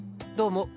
どうも。